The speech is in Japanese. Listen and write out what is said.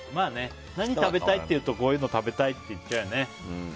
何食べたい？っていうとこういうの食べたいって言っちゃうよね。